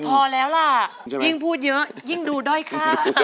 พอแล้วล่ะยิ่งพูดเยอะยิ่งดูด้อยค่า